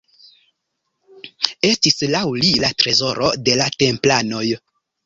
Estis laŭ li la trezoro de la templanoj.